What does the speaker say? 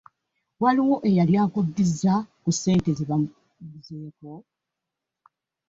Waliwo eyali akuddizza ku ssente ze bamuguzeeko?